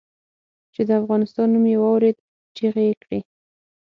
چې د افغانستان نوم یې واورېد چیغې یې کړې.